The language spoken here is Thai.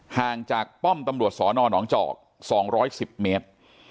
ห่างจากป้อมตำรวจสนหนองจอก๒๑๐เมตร